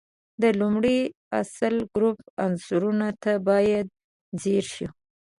د لومړي اصلي ګروپ عنصرونو ته باید ځیر شو.